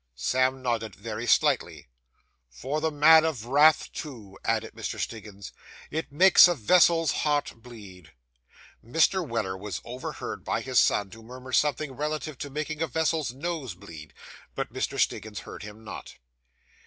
Sam nodded very slightly. 'For the man of wrath, too!' added Mr. Stiggins; 'it makes a vessel's heart bleed!' Mr. Weller was overheard by his son to murmur something relative to making a vessel's nose bleed; but Mr. Stiggins heard him not.